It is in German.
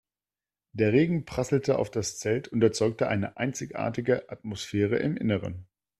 Der Regen prasselte auf das Zelt und erzeugte eine einzigartige Atmosphäre im Innern.